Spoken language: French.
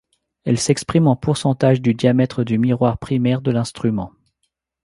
Elle s'exprime en pourcentage du diamètre du miroir primaire de l'instrument.